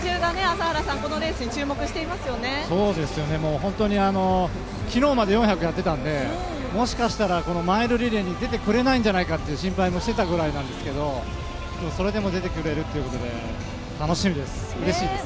本当に昨日まで４００やってたのでもしかしたら、マイルリレーに出てこれないんじゃないかという心配もしてたぐらいなんですけどそれでも出てくれるってことで楽しみです、うれしいです。